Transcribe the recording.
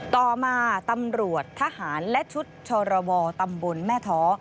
ต่อมาตำรวจทหารและชุดชรบตำบลแม่ท้อ